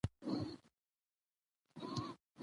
مېلې د خلکو د ګډو خاطرو د جوړولو ځایونه دي.